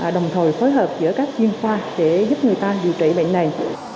đồng thời phối hợp giữa các chuyên khoa để giúp người ta điều trị bệnh này